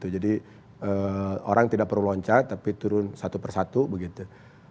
jadi orang tidak perlu loncat tapi turun satu persatu